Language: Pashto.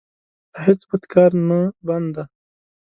په هېڅ بد کار نه بند دی.